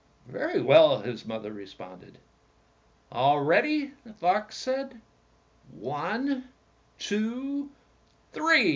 "Very well," his mother responded. "All ready," the fox said; "one, two, three!"